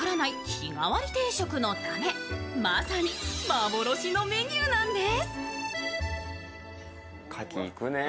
日替わり定食のため、まさに幻のメニューなんです。